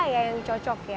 yang cocok ya